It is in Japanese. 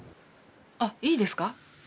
あっいいですか？